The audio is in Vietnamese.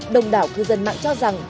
đồng đảo cư dân mạng cho rằng